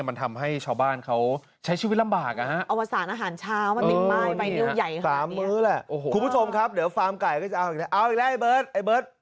เอาอีกแล้วไอ้เบิร์ต